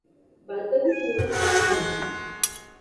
বাদবাকি পুরুষ পাখির মতোই।